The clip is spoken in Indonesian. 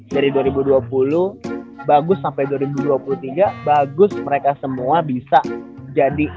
dari dua ribu dua puluh bagus sampai dua ribu dua puluh tiga bagus mereka semua bisa jadi